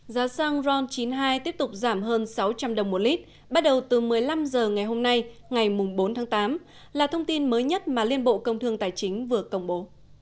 giá xăng ron chín mươi hai tiếp tục giảm hơn sáu trăm linh đồng một lít bắt đầu từ một mươi năm h ngày hôm nay ngày bốn tháng tám là thông tin mới nhất mà liên bộ công thương tài chính vừa công bố